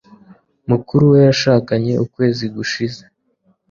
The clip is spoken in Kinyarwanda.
Mukuru we yashakanye ukwezi gushize